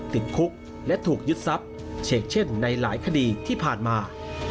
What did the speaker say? ติดคุกและถูกยึดทรัพย์เฉกเช่นในหลายคดีที่ผ่านมา